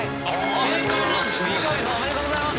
ありがとうございます！